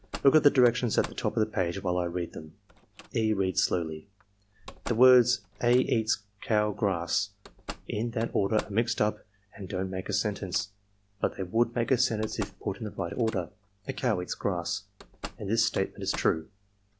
Look at the directions at the top of the page while I read them." (E. reads slowly.) " 'The words a eats cow grass in that order are mixed up and don't make a sentence; but they would make a sentence if put in the right order: a cow eats grass, and this statement is true.